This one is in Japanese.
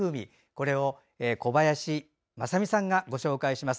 これを小林まさみさんがご紹介します。